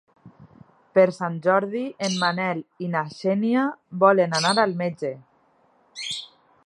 Per Sant Jordi en Manel i na Xènia volen anar al metge.